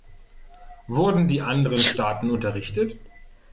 Wurden die anderen Staaten unterrichtet?